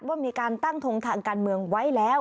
ว่ามีการตั้งทงทางการเมืองไว้แล้ว